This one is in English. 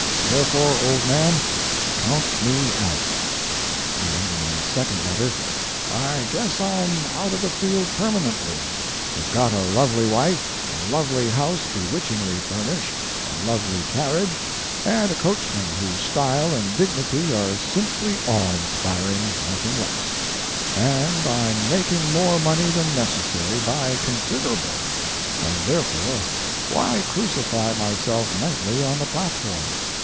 Therefore, old man, count me out." And in a second letter: "I guess I'm out of the field permanently. Have got a lovely wife, a lovely house bewitchingly furnished, a lovely carriage, and a coachman whose style and dignity are simply awe inspiring, nothing less; and I'm making more money than necessary, by considerable, and therefore why crucify myself nightly on the platform!